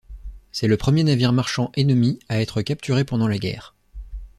C'est le premier navire marchand ennemi à être capturé pendant la guerre.